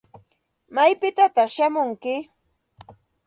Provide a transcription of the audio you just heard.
¿Maypitataq shamunki?